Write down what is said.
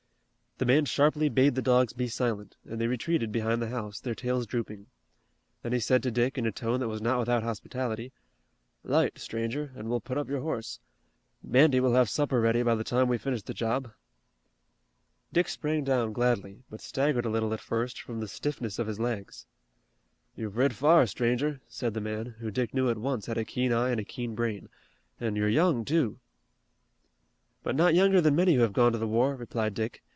The man sharply bade the dogs be silent and they retreated behind the house, their tails drooping. Then he said to Dick in a tone that was not without hospitality: "'Light, stranger, an' we'll put up your horse. Mandy will have supper ready by the time we finish the job." Dick sprang down gladly, but staggered a little at first from the stiffness of his legs. "You've rid far, stranger," said the man, who Dick knew at once had a keen eye and a keen brain, "an' you're young, too." "But not younger than many who have gone to the war," replied Dick.